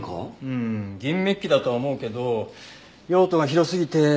うん銀メッキだと思うけど用途が広すぎて何かは。